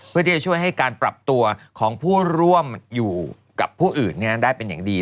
เพื่อที่จะช่วยให้การปรับตัวของผู้ร่วมอยู่กับผู้อื่นได้เป็นอย่างดี